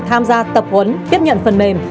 tham gia tập huấn tiếp nhận phần mềm